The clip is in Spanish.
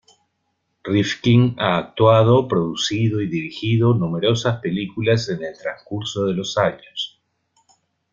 Rifkin ha actuado, producido y dirigido numerosas películas en el transcurso de los años.